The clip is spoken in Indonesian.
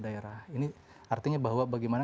daerah ini artinya bahwa bagaimana